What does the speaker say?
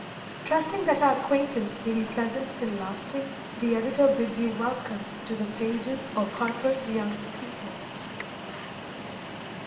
Trusting that our acquaintance may be pleasant and lasting, the editor bids you welcome to the pages of HARPER'S YOUNG PEOPLE.